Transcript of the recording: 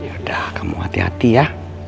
yaudah kamu hati hati ya